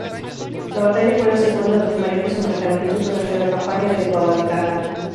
La batalla fue la segunda de los mayores enfrentamientos durante las Campaña de Guadalcanal.